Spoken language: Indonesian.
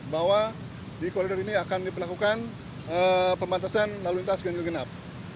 bahwa di koridor ini akan diperlakukan pembatasan lalu lintas ganjil genap